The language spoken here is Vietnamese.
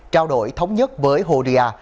trao đổi thống nhất với hồ địa